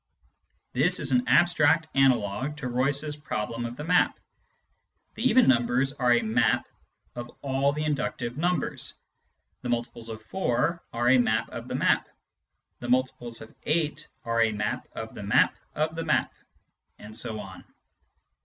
This is an abstract analogue to Royce's problem of the map. The even numbers are a " map " of all the inductive numbers ; the multiples of 4 are a map of the map ; the multiples of 8 are a map of the map of the map ; and so on.